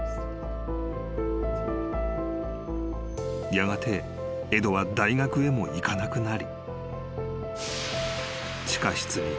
［やがてエドは大学へも行かなくなり］